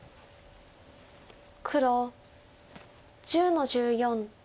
黒１０の十四。